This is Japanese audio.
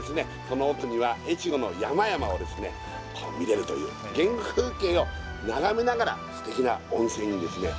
その奥には越後の山々をですね見れるという原風景を眺めながらステキな温泉にですね